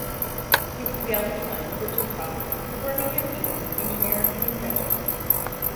He was the eldest son of Richard Prosser, the Birmingham, England, engineer and inventor.